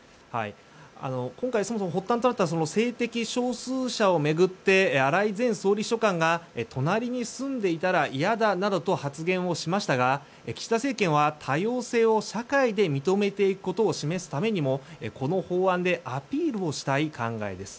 今回、そもそも発端となった性的少数者を巡って荒井前総理秘書官が隣に住んでいたら嫌だなどと発言をしましたが岸田政権は多様性を社会で認めていくことを示すためにもこの法案でアピールをしたい考えです。